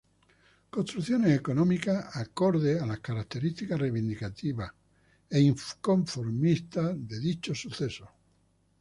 Construcciones económicas acordes a las características reivindicativas e inconformistas de dichos eventos.